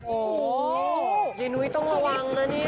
โอ้โหยายนุ้ยต้องระวังนะเนี่ย